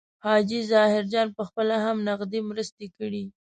حاجي ظاهرجان پخپله هم نغدي مرستې کړي.